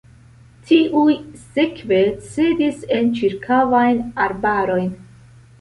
Tiuj sekve cedis en ĉirkaŭajn arbarojn.